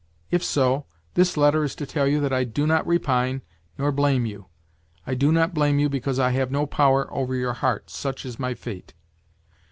If so, this letter is to tell you that I do not repine, nor blame you. I do not blame you because I have no power over your heart, such is my fate